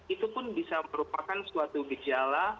itu pun bisa merupakan suatu gejala